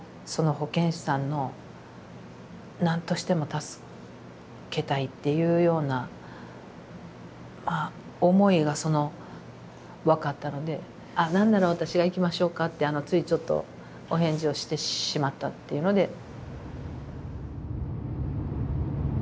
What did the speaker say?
その保健師さんの何としても助けたいっていうような思いが分かったので「何なら私が行きましょうか」ってついちょっとお返事をしてしまったっていうので。